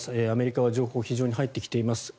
アメリカは情報が非常に入ってきています。